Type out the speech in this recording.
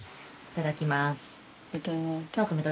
いただきます。